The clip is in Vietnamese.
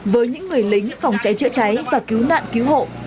với những người lính phòng cháy chữa cháy và cứu nạn cứu hộ